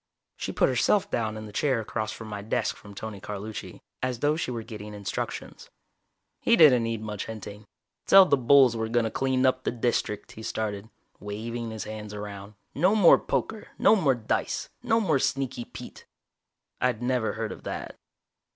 She put herself down in the chair across my desk from Tony Carlucci, as though she were getting instructions. He didn't need much hinting. "Tell the bulls we're gonna clean up the District," he started, waving his hands around. "No more poker. No more dice. No more Sneaky Pete." I'd never heard of that.